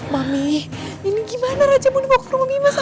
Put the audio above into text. mami ini gimana raja mau dibawa ke rumah bima